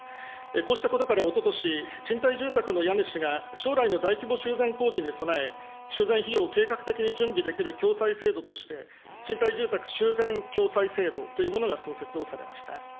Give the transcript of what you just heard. こうしたことからおととし、賃貸住宅の家主が将来の大規模修繕工事に備え、修繕費用を計画的に準備できる共済制度として、賃貸住宅修繕共済制度というものが創設をされました。